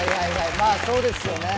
まあそうですよね。